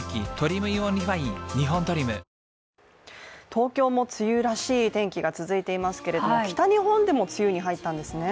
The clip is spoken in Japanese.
東京も梅雨らしい天気が続いていますけれども、北日本でも梅雨に入ったんですね。